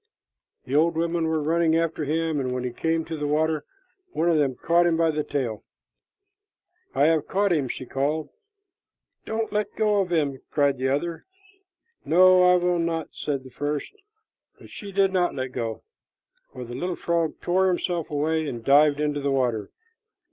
The old women were running after him, and when he came to the water, one of them caught him by the tail. "I have caught him!" she called. "Do not let him go!" cried the other. "No, I will not," said the first; but she did let him go, for the little frog tore himself away and dived into the water.